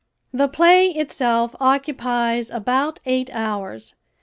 The play itself occupies about eight hours.